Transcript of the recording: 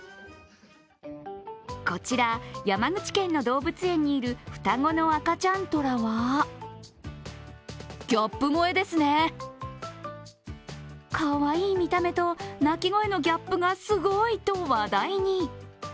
こちら、山口県の動物園にいる双子の赤ちゃん虎はかわいい見た目と鳴き声のギャップがすごいと話題に。